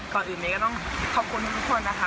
ก่อนอื่นแต่เมาตรก็ต้องขอบคุณทุกคนนะคะ